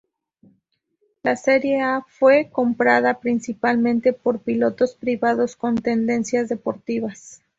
La serie "A" fue comprada principalmente por pilotos privados con tendencias deportivas.